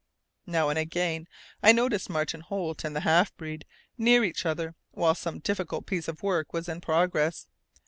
Now and again I noticed Martin Holt and the half breed near each other while some difficult piece of work was in progress.